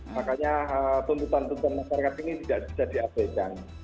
makanya tuntutan tuntutan masyarakat ini tidak bisa diabaikan